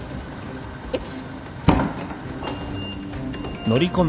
えっ？